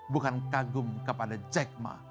bukan kagum kepada jack ma